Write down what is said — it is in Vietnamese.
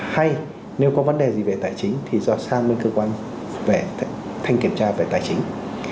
hay nếu có vấn đề gì về tài chính thì do sang lên cơ quan thành kiểm tra về tài chính